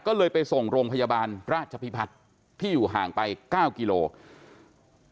ก็เลยไปส่งโรงพยาบาลราชพิพัฒน์ที่อยู่ห่างไป๙กิโลกรัม